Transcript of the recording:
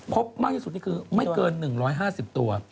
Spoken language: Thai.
พบมากที่สุดนี่คือไม่เกิน๑๕๐ตัว